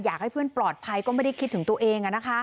อยากให้เพื่อนปลอดภัยก็ไม่ได้คิดถึงตัวเอง